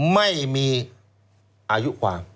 ไม่มีอายุความ